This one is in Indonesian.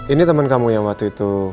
ini temen kamu yang waktu itu